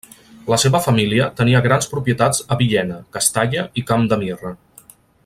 La seva família tenia grans propietats a Villena, Castalla i Camp de Mirra.